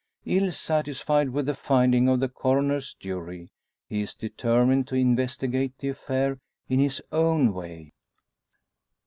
Ill satisfied with the finding of the Coroner's jury, he is determined to investigate the affair in his own way.